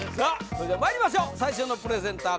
それではまいりましょう最初のプレゼンター